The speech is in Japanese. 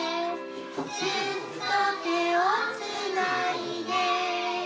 「ずっと手をつないでいよう」